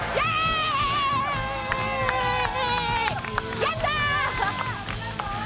やった！